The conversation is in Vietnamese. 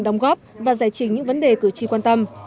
đóng góp và giải trình những vấn đề cử tri quan tâm